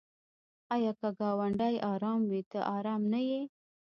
آیا که ګاونډی ارام وي ته ارام نه یې؟